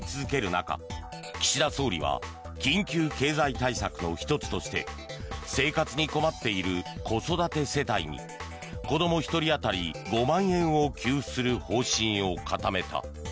中岸田総理は緊急経済対策の１つとして生活に困っている子育て世帯に子ども１人当たり５万円を給付する方針を固めた。